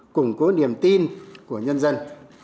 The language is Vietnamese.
củng cố niềm tin của nhân dân